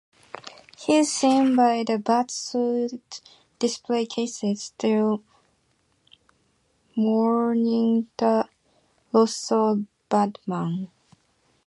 He is seen by the Bat-Suit display cases, still mourning the loss of Batman.